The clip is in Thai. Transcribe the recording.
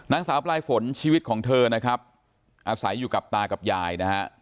นางสาวปลายฝนชีวิตของเธอนะครับอาศัยอยู่กับตากับยายนะฮะ